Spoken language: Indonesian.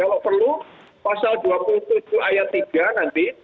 kalau perlu pasal dua puluh tujuh ayat tiga nanti